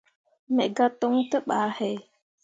Me gah toŋ te bah he.